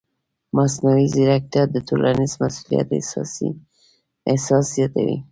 مصنوعي ځیرکتیا د ټولنیز مسؤلیت احساس زیاتوي.